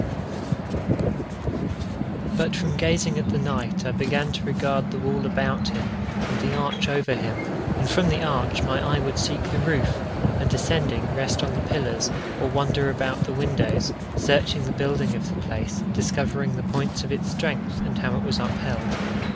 But from gazing at the knight I began to regard the wall about him, and the arch over him; and from the arch my eye would seek the roof, and descending, rest on the pillars, or wander about the windows, searching the building of the place, discovering the points of its strength, and how it was upheld.